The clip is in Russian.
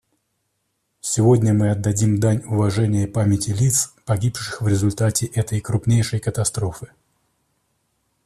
Сегодня мы отдаем дань уважения памяти лиц, погибших в результате этой крупнейшей катастрофы.